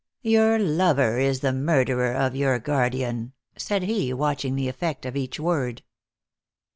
"Your lover is the murderer of your guardian," said he, watching the effect of each word.